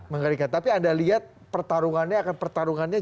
mengerikan tapi anda lihat pertarungannya